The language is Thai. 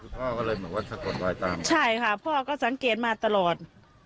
พ่อก็เลยบอกว่าใช่ค่ะพ่อก็สังเกตมาตลอด